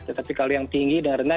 tetapi kalau yang tinggi dan rendah